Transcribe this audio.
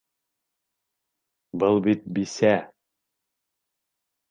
Был бит бисә!